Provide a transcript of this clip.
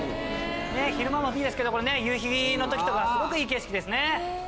昼間もいいですけど夕日の時すごくいい景色ですね。